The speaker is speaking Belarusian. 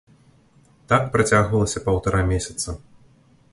Так працягвалася паўтара месяца.